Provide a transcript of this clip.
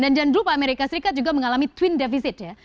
dan jangan lupa amerika serikat juga mengalami twin defisit ya